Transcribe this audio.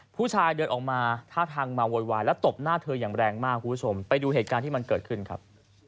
ผู้ชายเดินออกมาท่าทางมาโวยวายแล้วตบหน้าเธออย่างแรงมากคุณผู้ชมไปดูเหตุการณ์ที่มันเกิดขึ้นครับ